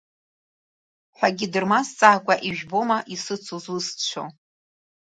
Ҳәагьы дырмазҵаакәа ижәбома исыцу зусҭцәоу?